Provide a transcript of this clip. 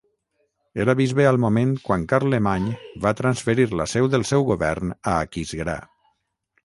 Era bisbe al moment quan Carlemany va transferir la seu del seu govern a Aquisgrà.